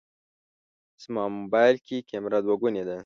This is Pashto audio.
زما موبایل کې کمېره دوهګونې ده.